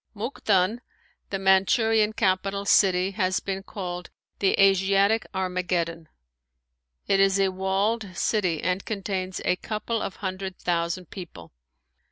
Mukden, the Manchurian capital city, has been called "The Asiatic Armageddon!" It is a walled city and contains a couple of hundred thousand people.